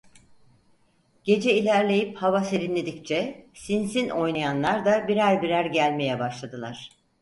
Gece ilerleyip hava serinledikçe Sinsin oynayanlar da birer birer gelmeye başladılar.